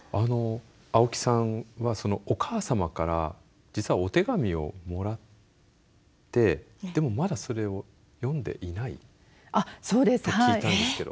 青木さんはお母様から実はお手紙をもらってでもまだそれを読んでいないと聞いたんですけど。